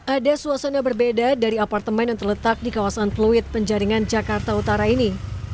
ada suasana berbeda dari apartemen yang terletak di kawasan fluid penjaringan jakarta utara ini